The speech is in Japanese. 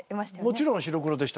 もちろん白黒でしたね。